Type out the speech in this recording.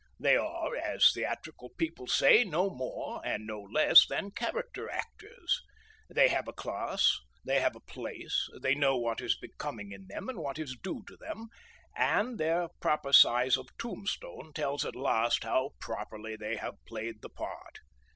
They are, as theatrical people say, no more (and no less) than "character actors." They have a class, they have a place, they know what is becoming in them and what is due to them, and their proper size of tombstone tells at last how properly they have played the part.